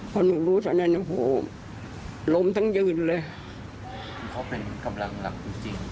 พอหนูรู้จังแล้วโหลมทั้งยืนเลยเขาเป็นกำลังหลักจริงจริง